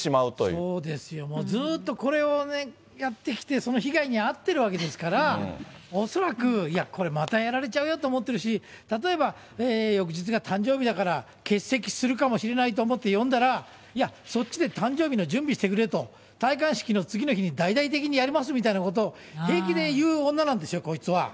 そうですよ、もうずっとこれをやってきて被害に遭ってるわけですから、恐らく、いや、これまたやられちゃうよと思ってるし、例えば、翌日が誕生日だから欠席するかもしれないと思って呼んだら、いや、そっちで誕生日の準備してくれと、戴冠式の次の日に大々的にやりますみたいなことを、平気で言う女なんですよ、こいつは。